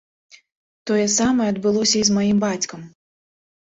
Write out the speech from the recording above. Тое самае адбылося і з маім бацькам.